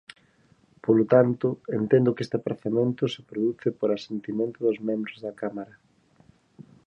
Polo tanto, entendo que este aprazamento se produce por asentimento dos membros da Cámara.